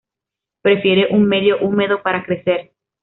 Prefiere un medio húmedo para crecer.